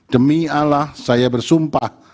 demi allah saya bersumpah